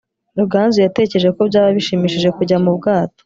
ruganzu yatekereje ko byaba bishimishije kujya mu bwato